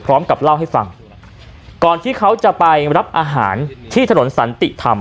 พร้อมกับเล่าให้ฟังก่อนที่เขาจะไปรับอาหารที่ถนนสันติธรรม